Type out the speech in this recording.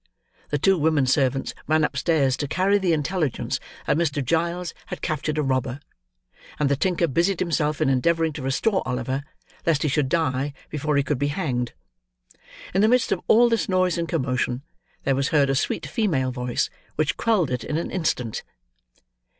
The two women servants ran upstairs to carry the intelligence that Mr. Giles had captured a robber; and the tinker busied himself in endeavouring to restore Oliver, lest he should die before he could be hanged. In the midst of all this noise and commotion, there was heard a sweet female voice, which quelled it in an instant.